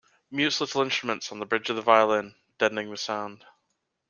Mutes little instruments on the bridge of the violin, deadening the sound.